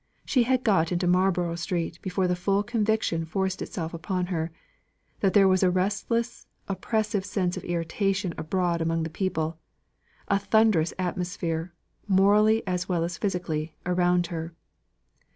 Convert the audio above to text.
She had got into Marlborough Street before the full conviction forced itself upon her, that there was a restless, oppressive sense of irritation abroad among the people; a thunderous atmosphere, morally as well as physically, around her.